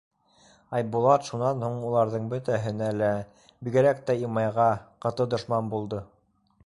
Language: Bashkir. Айбулат шунан һуң уларҙың бөтәһенә лә, бигерәк тә Имайға, ҡаты дошман булды.